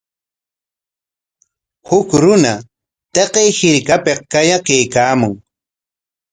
Huk runa taqay hirkapik qayakaykaamun.